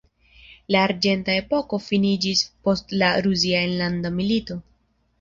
La arĝenta epoko finiĝis post la rusia enlanda milito.